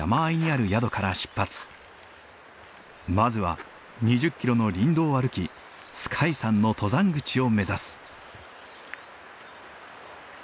まずは２０キロの林道を歩き皇海山の登山口を目指す。